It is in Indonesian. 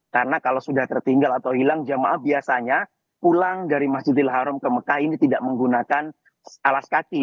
karena kalau sudah tertinggal atau hilang jamaah biasanya pulang dari masjidil haram ke mekah ini tidak menggunakan alas kaki